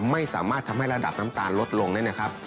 ไม่สามารถทำให้ระดับน้ำตาลลดลงเนี่ยนะครับ